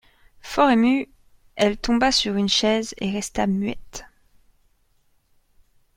Fort émue, elle tomba sur une chaise, et resta muette.